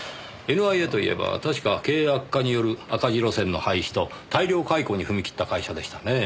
ＮＩＡといえば確か経営悪化による赤字路線の廃止と大量解雇に踏み切った会社でしたねぇ。